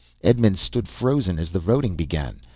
Edmonds stood frozen as the voting began.